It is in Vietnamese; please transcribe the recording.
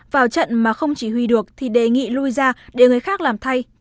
vào trận mà không chỉ huy được thì đề nghị lui ra để người khác làm thay